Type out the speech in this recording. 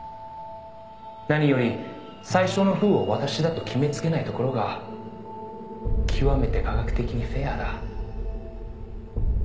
「何より最初のＷＨＯを私だと決めつけないところが極めて科学的にフェアだ」